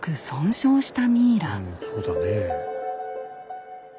うんそうだねえ。